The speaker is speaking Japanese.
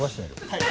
はい。